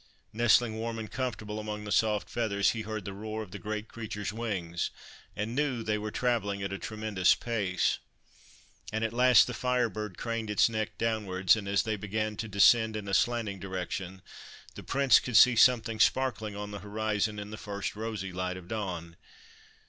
Nestling warm and com fortable among the soft feathers, he heard the roar of the great creature's wings, and knew they were travelling at a tremendous pace. And at last the Fire Bird craned its neck downwards, and, as they began to 164 THE FIRE BIRD descend in a slanting direction, the Prince could see something sparkling on the horizon in the first rosy light of dawn.